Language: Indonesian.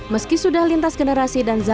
meski sudah lintas generasi dan zat